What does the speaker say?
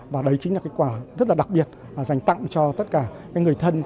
và đấy chính là quà rất đặc biệt dành tặng cho tất cả người thân